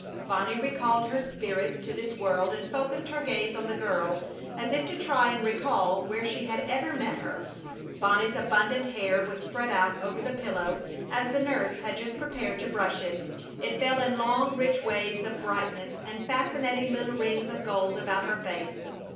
Bonnie recalled her spirit to this world and focused her gaze on the girl as if to try and recall where she had ever met her. Bonnie's abundant hair was spread out over the pillow, as the nurse had just prepared to brush it. It fell in long, rich waves of brightness and fascinating little rings of gold about her face.